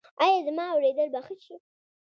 ایا زما اوریدل به ښه شي؟